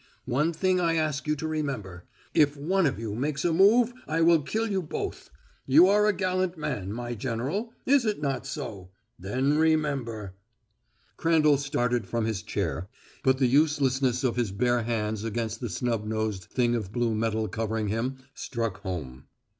One thing I ask you to remember. If one of you makes a move I will kill you both. You are a gallant man, my General; is it not so? Then remember." Crandall started from his chair, but the uselessness of his bare hands against the snub nosed thing of blue metal covering him struck home.